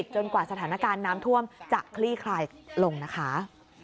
จนกว่าสถานการณ์น้ำท่วมจะคลี่คลายลงนะคะ